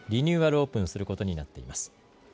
オープンすることになっています。